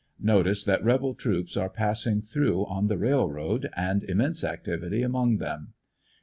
Notice that rebel troops are passing through on the railroad and immense activity among them.